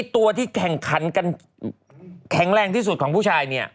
ตัวที่แข่งขันกันแข็งแรงที่สุดของผู้ชายเนี่ย